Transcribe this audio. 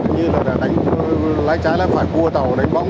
như là lái trái lái phải cua tàu đánh bóng